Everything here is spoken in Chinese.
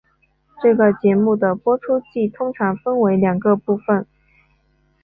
这个节目的播出季通常分为两部份。